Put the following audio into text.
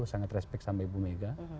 sangat respect sama ibu mega